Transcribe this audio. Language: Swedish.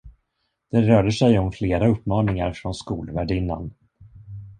Det rörde sig om flera uppmaningar från skolvärdinnan.